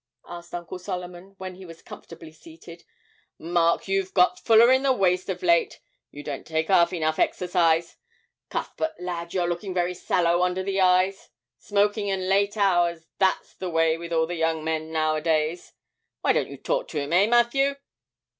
asked Uncle Solomon, when he was comfortably seated; 'Mark, you've got fuller in the waist of late; you don't take 'alf enough exercise. Cuthbert, lad, you're looking very sallow under the eyes smoking and late hours, that's the way with all the young men nowadays! Why don't you talk to him, eh, Matthew?